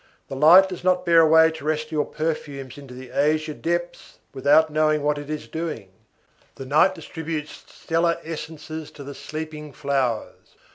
The light does not bear away terrestrial perfumes into the azure depths, without knowing what it is doing; the night distributes stellar essences to the sleeping flowers.